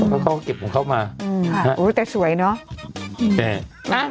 เขาก็เก็บอังคับมาแต่สวยเนอะ